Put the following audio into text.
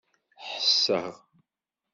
Ḥesseɣ.